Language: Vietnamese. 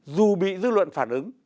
dù bị dư luận phản ứng